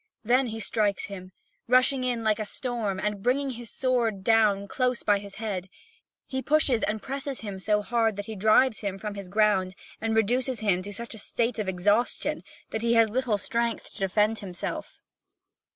Then he strikes him, rushing in like a storm and bringing his sword down close by his head; he pushes and presses him so hard that he drives him from his ground and reduces him to such a state of exhaustion that he has little strength to defend himself.